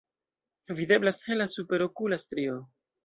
Videblas hela superokula strio.